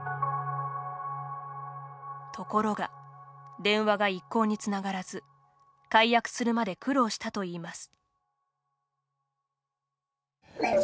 ところが電話が一向につながらず解約するまで苦労したといいます。